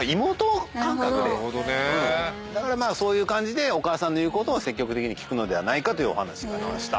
だからお母さんの言うことを積極的に聞くのではないかというお話がありました。